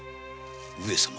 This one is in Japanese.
上様。